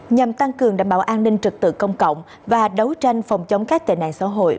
nhằm tăng cường đảm bảo an ninh trực tự công cộng và đấu tranh phòng chống các tệ nạn xã hội